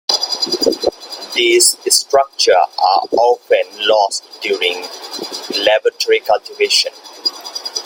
These structures are often lost during laboratory cultivation.